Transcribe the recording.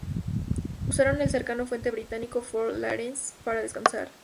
Usaron el cercano fuerte británico Fort Lawrence para descansar.